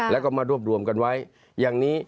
แล้วก็มารวบรวมกันไว้อย่างนี้